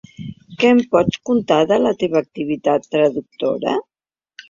Què ens pots contar de la teva activitat traductora?